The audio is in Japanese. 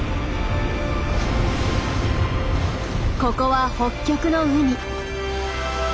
ここは北極の海。